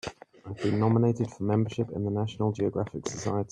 I've been nominated for membership in the National Geographic Society.